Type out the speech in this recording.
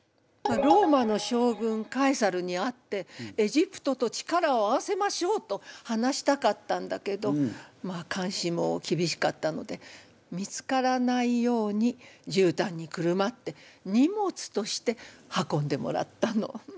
ローマの将軍カエサルに会ってエジプトと力を合わせましょうと話したかったんだけどまあかんしもきびしかったので見つからないようにじゅうたんにくるまって荷物として運んでもらったの。